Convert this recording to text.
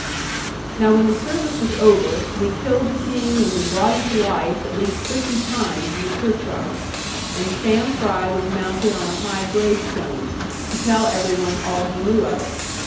Now when the service was over, we killed the King, and we brought him to life, at least fifty times in the churchyard: and Sam Fry was mounted on a high gravestone, to tell every one all he knew of it.